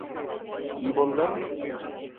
কি বললেন?